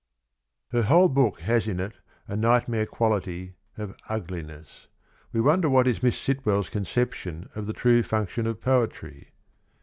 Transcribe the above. Her whole book has in it a nightmare quality of ugliness. We wonder what is Miss Sitwell's conception of the true function of Poetry